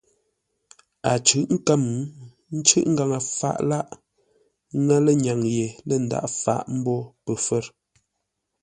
A cʉ̂ʼ kə̌m, cûʼ ngaŋə-faʼ lâʼ, ŋə́ lə́ŋyâŋ ye, lə ndaghʼ fáʼ mbô pəfə̌r.